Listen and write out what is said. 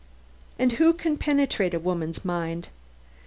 And who can penetrate a woman's mind?